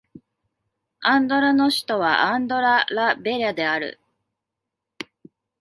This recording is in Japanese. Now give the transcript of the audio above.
アンドラの首都はアンドラ・ラ・ベリャである